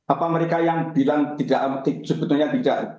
apa mereka yang bilang tidak aktif sebetulnya tidak